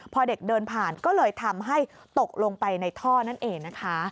พอเด็กเดินผ่านก็เลยทำให้ตกลงไปในท่อนั่นเองนะคะ